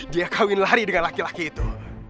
dia kawin lari dengan laki laki itu